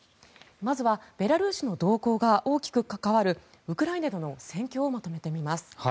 まずはベラルーシの動向が大きく関わるウクライナでの戦況をまとめてみます。